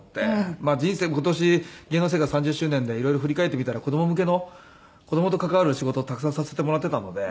まあ人生今年芸能生活３０周年で色々振り返ってみたら子供向けの子供と関わる仕事たくさんさせてもらっていたので。